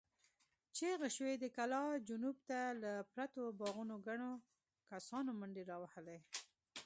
چيغې شوې، د کلا جنوب ته له پرتو باغونو ګڼو کسانو منډې را وهلې.